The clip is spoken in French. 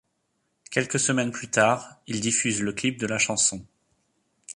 Quelques semaines plus tard, ils diffusent le clip de la chanson.